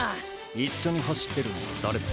一緒に走ってるのは誰だ？